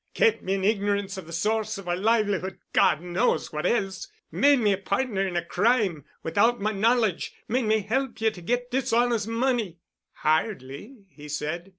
Kept me in ignorance of the source of our livelihood—God knows what else—made me a partner in a crime—without my knowledge—made me help you to get dishonest money——" "Hardly," he said.